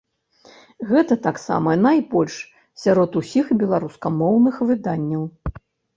Гэта таксама найбольш сярод усіх беларускамоўных выданняў.